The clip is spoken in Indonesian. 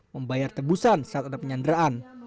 membayar tebusan saat ada penyanderaan